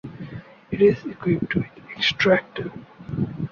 It is equipped with extractor.